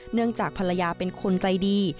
เนื่องจากภรรยาเป็นคนใจดี